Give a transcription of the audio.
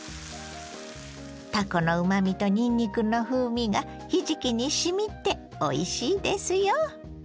たこのうまみとにんにくの風味がひじきにしみておいしいですよ。